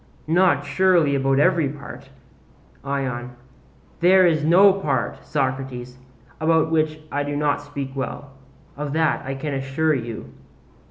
not surely about every part. ION: There is no part, Socrates, about which I do not speak well: of that I can assure you.